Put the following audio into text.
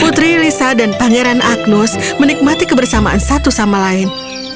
putri lisa dan pangeran agnus menikmati kebersamaan satu sama lain